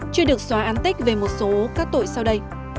chưa được xóa án tích về một số các tội sau đây